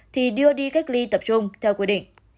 thì đưa đi cách ly tập trung theo quy định